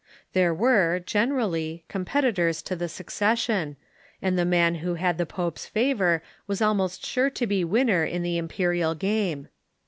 There were, gener ally, competitors to the succession, and the man who had the pope's favor was almost sure to be winner in the imperial game.